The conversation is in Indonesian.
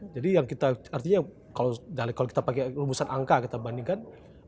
jadi artinya kalau kita pakai rumbusan angka kita bandingkan